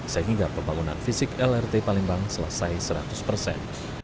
sehingga pembangunan fisik lrt palembang selesai seratus persen